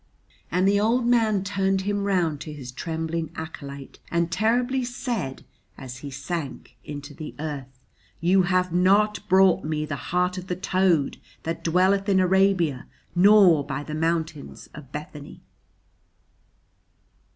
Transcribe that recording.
And the old man turned him round to his trembling acolyte and terribly said as he sank into the earth: "YOU HAVE NOT BROUGHT ME THE HEART OF THE TOAD THAT DWELLETH IN ARABIA NOR BY THE MOUNTAINS OF BETHANY!"